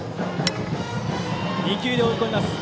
２球で追い込みました。